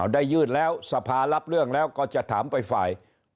ยื่นแล้วสภารับเรื่องแล้วก็จะถามไปฝ่าย